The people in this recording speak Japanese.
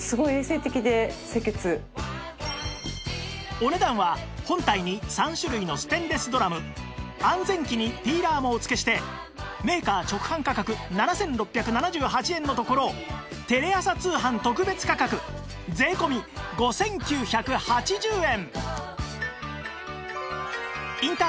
お値段は本体に３種類のステンレスドラム安全器にピーラーもお付けしてメーカー直販価格７６７８円のところテレ朝通販特別価格税込５９８０円！